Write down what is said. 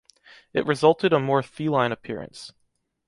It resulted a more feline appearance.